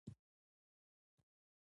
اصلي لهجې دوې دي: کندهارۍ او ننګرهارۍ